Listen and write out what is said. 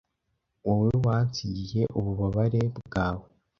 wowe wansigiye ububabare bwawe